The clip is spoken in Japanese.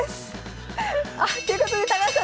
あっということで高橋さん残念！